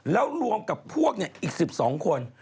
แล้วรวมกับพวกอีก๑๒คน